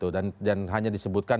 dan hanya disebutkan